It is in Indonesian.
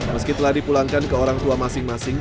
meski telah dipulangkan ke orang tua masing masing